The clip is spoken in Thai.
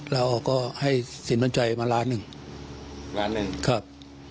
เราก็ให้สินมั่นใจมาล้านหนึ่งล้านหนึ่งครับ